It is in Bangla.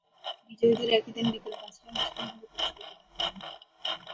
বিজয়ীদের একই দিন বিকেল পাঁচটায় মুসলিম হলে পুরস্কার প্রদান করা হয়।